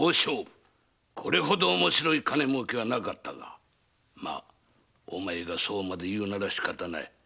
これほど面白い金儲けはなかったがまあお前がそうまで言うならしかたない。